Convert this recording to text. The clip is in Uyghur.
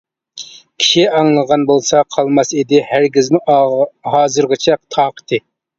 كىشى ئاڭلىغان بولسا، قالماس ئىدى ھەرگىزمۇ ھازىرغىچە تاقىتى.